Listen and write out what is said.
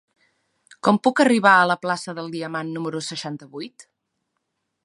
Com puc arribar a la plaça del Diamant número seixanta-vuit?